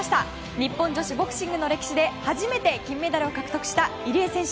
日本女子ボクシングの歴史で初めて金メダルを獲得した入江選手。